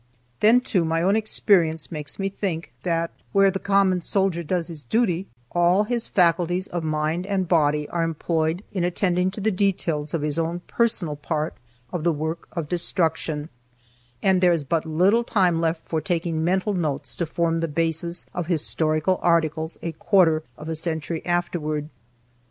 Then, too, my own experience makes me think that where the common soldier does his duty, all his faculties of mind and body are employed in attending to the details of his own personal part of the work of destruction, and there is but little time left him for taking mental notes to form the bases of historical articles a quarter of a century afterward.